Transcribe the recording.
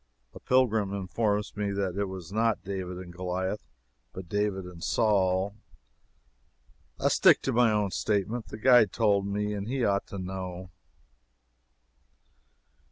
[A pilgrim informs me that it was not David and Goliah, but David and Saul. I stick to my own statement the guide told me, and he ought to know.